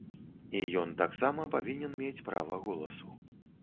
І ён таксама павінен мець права голасу.